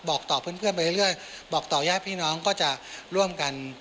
บอกต่อเพื่อนไปเรื่อยบอกต่อญาติพี่น้องก็จะร่วมกัน